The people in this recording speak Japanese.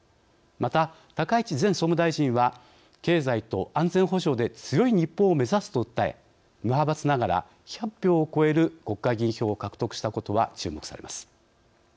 また、高市前総務大臣は経済と安全保障で強い日本を目指すと訴え無派閥ながら１００票を超える国会議員票を獲得したことは注目されます。